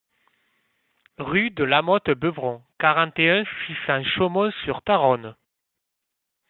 Rue de Lamotte Beuvron, quarante et un, six cents Chaumont-sur-Tharonne